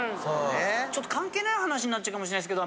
ちょっと関係ない話になっちゃうかもしれないですけど。